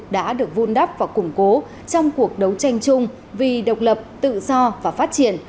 đã được vun đắp và củng cố trong cuộc đấu tranh chung vì độc lập tự do và phát triển